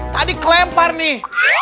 tadi kelempar nih